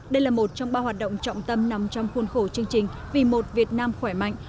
đây là một trong ba hoạt động trọng tâm nằm trong khuôn khổ chương trình vì một việt nam khỏe mạnh